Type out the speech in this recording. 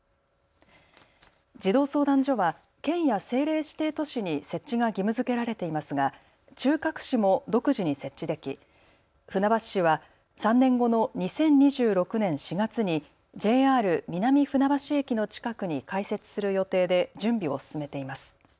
児童相談所は県や政令指定都市に設置が義務づけられていますが中核市も独自に設置でき船橋市は３年後の２０２６年４月にＪＲ南船橋駅の近くに開設する予定で準備を進めています。